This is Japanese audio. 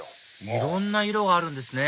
いろんな色あるんですね